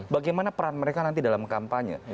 bagaimana peran mereka nanti dalam kampanye